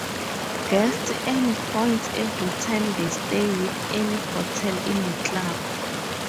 Guests earn points every time they stay with any hotel in the club.